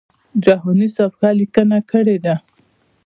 جهاني سیب ښه لیکنه کړې ده.